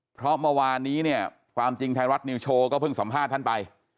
เพราะเมื่อวานนี้เนี่ยความจริงไทยรัฐนิวโชว์ก็เพิ่งสัมภาษณ์ท่านไป